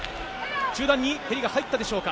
中段に蹴りが入ったでしょうか。